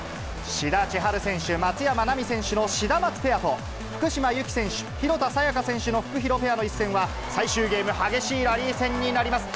志田千陽選手・松山奈未選手のシダマツペアと、福島由紀選手・廣田彩花選手のフクヒロペアの一戦は、最終ゲーム、激しいラリー戦になります。